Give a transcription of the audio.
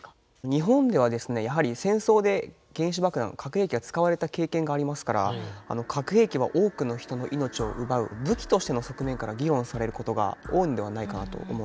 日本ではですねやはり戦争で原子爆弾核兵器が使われた経験がありますから核兵器は多くの人の命を奪う武器としての側面から議論されることが多いのではないかなと思うんです。